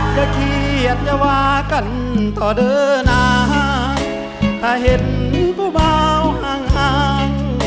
ก็เคียดยาวากันต่อเดอร์น้ำถ้าเห็นเบาะเบาห่าง